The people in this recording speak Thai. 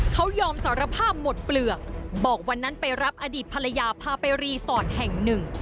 เขายอมสารภาพหมดเปลือกบอกวันนั้นไปรับอดีตภรรยาพาไปรีสอร์ทแห่งหนึ่ง